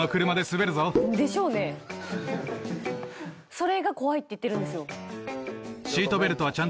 それが怖いって言ってるんですよ。